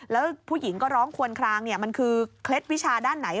แล้วผู้หญิงก็ร้องควนคลางมันคือเคล็ดวิชาด้านไหน